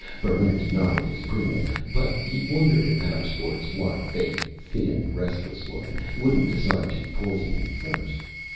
Barrent nodded his agreement. But he wondered if Harrisbourg's wife, a thin, restless woman, wouldn't decide to poison him first.